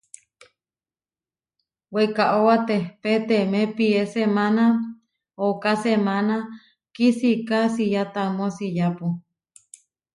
Weikaóba tehpé temé pié semána ooká semána kisiká siyá tamó siyápu.